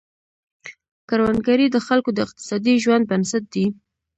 کروندګري د خلکو د اقتصادي ژوند بنسټ دی.